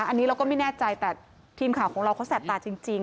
อันนี้เราก็ไม่แน่ใจแต่ทีมข่าวของเราเขาแสบตาจริง